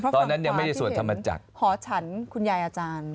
ตอนนั้นยังไม่ได้สวดธรรมจักรหอฉันคุณยายอาจารย์